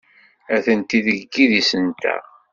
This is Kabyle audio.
Atenti seg yidis-nteɣ.